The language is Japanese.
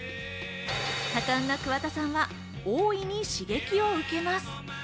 多感な桑田さんは大いに刺激を受けます。